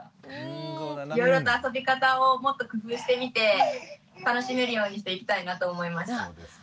いろいろと遊び方をもっと工夫してみて楽しめるようにしていきたいなと思いました。